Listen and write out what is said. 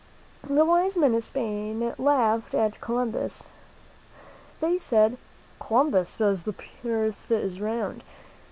The wise men of Spain laughed at Columbus. They said: "Columbus says the earth is round.